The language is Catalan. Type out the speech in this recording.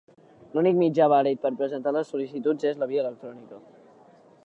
L'únic mitjà vàlid per presentar les sol·licituds és la via electrònica.